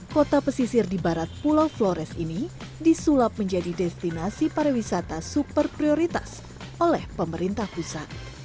kota pesisir di barat pulau flores ini disulap menjadi destinasi pariwisata super prioritas oleh pemerintah pusat